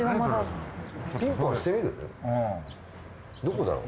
どこだろう。